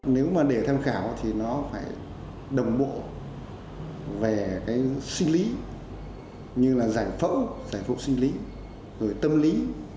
nếu mà để tham khảo thì nó phải đồng bộ về cái sinh lý như là giải phẫu giải phẫu sinh lý rồi tâm lý